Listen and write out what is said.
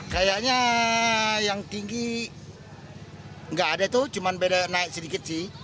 kayaknya yang tinggi nggak ada itu cuma beda naik sedikit sih